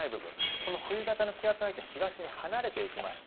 この冬型の気圧配置は東に離れていきました。